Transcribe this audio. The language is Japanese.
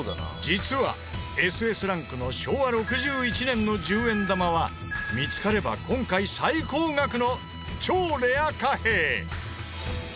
実はＳＳランクの昭和６１年の１０円玉は見つかれば今回最高額の超レア貨幣！